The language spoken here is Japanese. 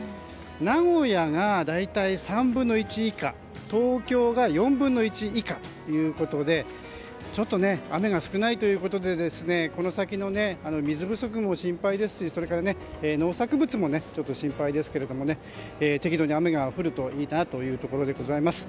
名古屋がほぼ３分の１以下東京が４分の１以下ということでちょっと雨が少ないということでこの先の水不足も心配ですしそれから、農作物も心配ですけども適度に雨が降るといいなというところでございます。